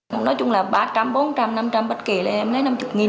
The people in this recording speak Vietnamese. nói chung là ba trăm linh bốn trăm linh năm trăm linh bất kỳ